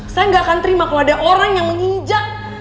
saya gak akan terima kalau ada orang yang menginjak